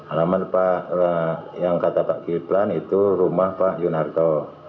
alamat yang kata pak kiplan itu rumah pak yunarto